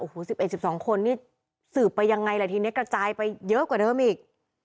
โอ้โห๑๑๑๒คนนี่สืบไปยังไงล่ะทีนี้กระจายไปเยอะกว่าเดิมอีก